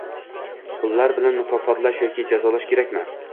Pullar bilan mukofotlash yoki jazolash kerakmi?